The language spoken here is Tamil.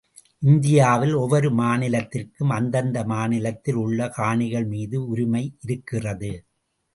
இந்தியாவில் ஒவ்வொரு மாநிலத்திற்கும் அந்தந்த மாநிலத்தில் உள்ள காணிகள் மீது உரிமை இருக்கிறது.